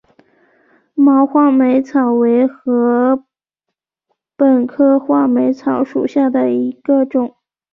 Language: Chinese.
毛画眉草为禾本科画眉草属下的一个种。